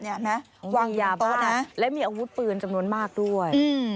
วางยาเบ๊ะนะและมีอาวุธปืนจำนวนมากด้วย